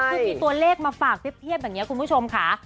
คือมีตัวเลขมาฝากเพียบแบบนี้คุณผู้ชมค่ะ